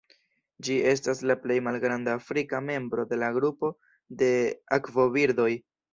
Ĝi estas la plej malgranda afrika membro de la grupo de akvobirdoj.